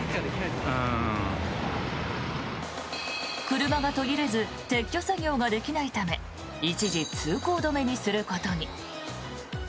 車が途切れず撤去作業ができないため一時、通行止めにすることに。